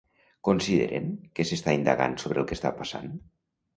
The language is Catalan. Consideren què s'està indagant sobre el que està passant?